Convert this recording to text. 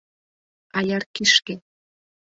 Аяр кишке!..